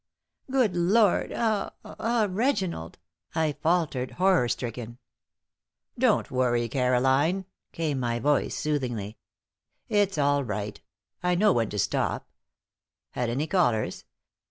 '" "Good Lord ah ah Reginald!" I faltered, horror stricken. "Don't worry, Caroline," came my voice, soothingly. "It's all right. I know when to stop. Had any callers?